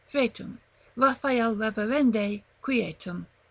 fretum, Raphael reverende, quietum.